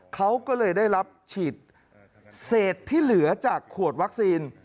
เขาก็เลยได้รับฉีดเศษที่เหลือจากขวดวัคซีน